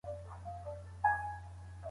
کله کله انسان د څو تاوانونو تر منځ واقع کېږي.